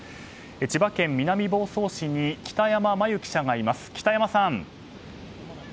千葉県南房総市に北山茉由記者がいます。